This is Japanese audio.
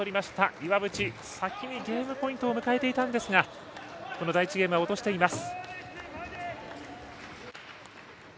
岩渕、先にゲームポイントを迎えていたんですがこの第１ゲームは落としています。